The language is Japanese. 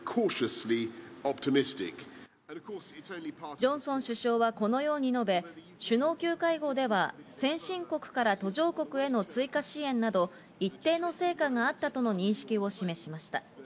ジョンソン首相はこのように述べ、首脳級会合では先進国から途上国への追加支援など、一定の成果があったとの認識を示しました。